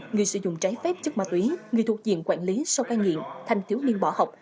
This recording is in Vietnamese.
người sử dụng trái phép chất ma túy người thuộc diện quản lý sau cai nghiện thành thiếu niên bỏ học